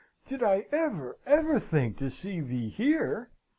Did I ever, ever think to see thee here?"